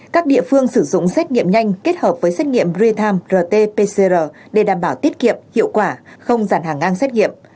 đảm bảo tiết kiệm rt pcr để đảm bảo tiết kiệm hiệu quả không giàn hàng ngang xét nghiệm